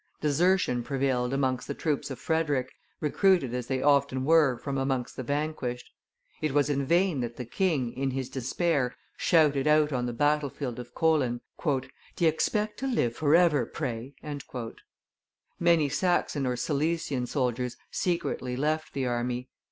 Desertion prevailed amongst the troops of Frederick, recruited as they often were from amongst the vanquished; it was in vain that the king, in his despair, shouted out on the battle field of Kolin, "D'ye expect to live forever, pray?" Many Saxon or Silesian soldiers secretly left the army.